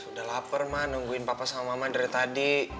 udah lapar ma nungguin papa sama mama dari tadi